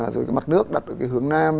rồi cái mặt nước đặt ở cái hướng nam